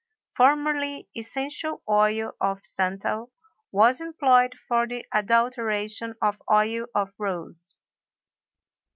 Formerly essential oil of santal was employed for the adulteration of oil of rose.